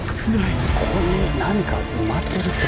ここに何か埋まってるって。